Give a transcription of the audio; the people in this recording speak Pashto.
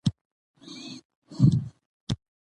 ډیوه پښتو مضمون تدریس کوي